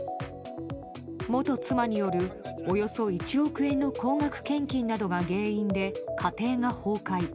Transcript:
元妻による、およそ１億円の高額献金などが原因で家庭が崩壊。